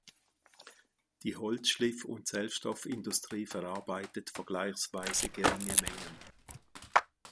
Die Holzschliff- und Zellstoffindustrie verarbeitet vergleichsweise geringe Mengen.